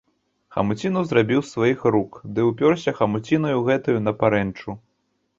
Хамуціну зрабіў з сваіх рук, ды ўспёрся хамуцінаю гэтаю на парэнчу.